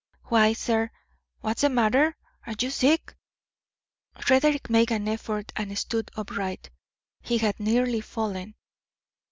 Why, sir, what's the matter? Are you sick?" Frederick made an effort and stood upright. He had nearly fallen.